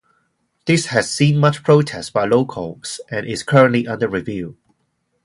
This has seen much protest by locals and is currently under review.